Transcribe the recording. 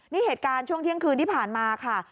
นี่เหตุการณ์ช่วงเที่ยงคืนที่ผ่านมาค่ะ